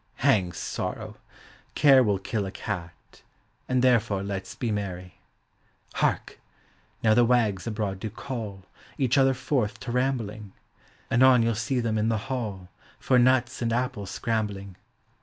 Hang sorrow! Care will kill a cat, And therefore let 's be merry. Hark ! now the wags abroad do call Each other forth to rambling; Anon von '11 see them in the hall, For nuts and apples scrambling.